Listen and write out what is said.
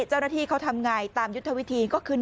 เจ้าหน้าที่เขาทำไงตามยุทธวิธีก็คือ